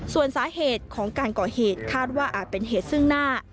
ส่วนสาเหตุของการก่อเหตุคาดว่าอาจเป็นเหตุซึ่งหน้า